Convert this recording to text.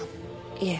いえ。